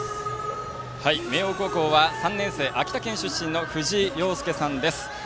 明桜高校は３年生秋田県出身のふじいさんです。